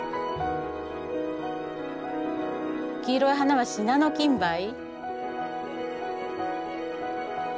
黄色い花はシナノキンバイ。